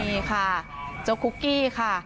นี่ค่ะเจ้าคุกกี้ค่ะ